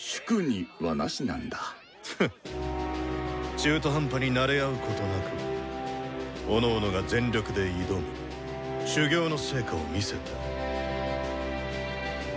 中途半端になれ合うことなくおのおのが全力で挑み修業の成果を見せた。